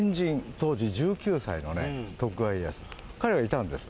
当時１９歳のね徳川家康彼がいたんです。